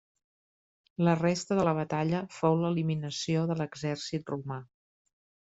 La resta de la batalla fou l'eliminació de l'exèrcit romà.